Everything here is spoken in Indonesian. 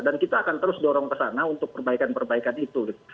dan kita akan terus dorong ke sana untuk perbaikan perbaikan itu